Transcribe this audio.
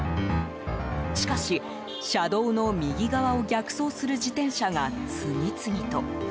しかし、車道の右側を逆走する自転車が次々と。